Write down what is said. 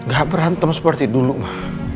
gak berantem seperti dulu mah